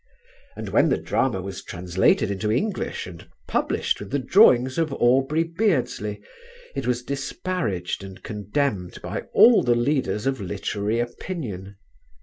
And when the drama was translated into English and published with the drawings of Aubrey Beardsley, it was disparaged and condemned by all the leaders of literary opinion.